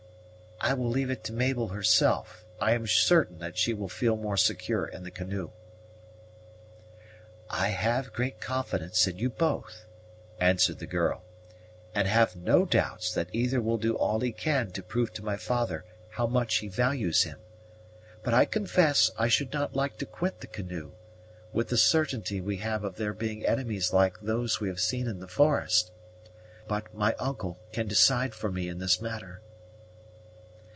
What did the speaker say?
"I will leave it to Mabel herself; I am certain that she will feel more secure in the canoe." "I have great confidence in you both," answered the girl; "and have no doubts that either will do all he can to prove to my father how much he values him; but I confess I should not like to quit the canoe, with the certainty we have of there being enemies like those we have seen in the forest. But my uncle can decide for me in this matter."